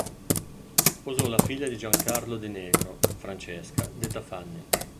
Sposò la figlia di Gian Carlo Di Negro, Francesca, detta "Fanny".